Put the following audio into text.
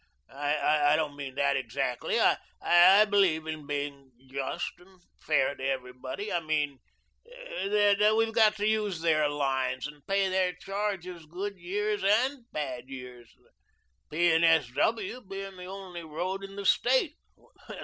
I didn't mean that exactly. I believe in being just and fair to everybody. I mean that we've got to use their lines and pay their charges good years AND bad years, the P. and S. W. being the only road in the State.